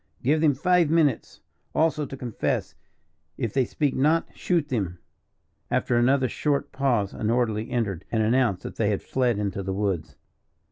"Give them five minutes, also, to confess; if they speak not, shoot them." After another short pause an orderly entered, and announced that they had fled into the woods.